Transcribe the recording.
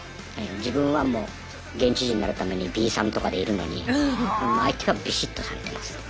自分はもう現地人になるためにビーサンとかでいるのに相手はビシッとされてますね。